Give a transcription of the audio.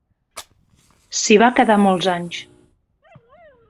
S'hi va quedar molts anys.